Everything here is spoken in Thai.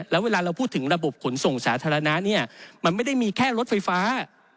แล้วเวลาเราพูดถึงระบบขนส่งสาธารณะเนี่ยมันไม่ได้มีแค่รถไฟฟ้า